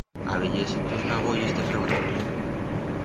A veyer si tos fa goyo este programa!